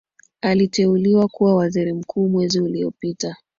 aliteuliwa kuwa waziri mkuu mwezi uliopita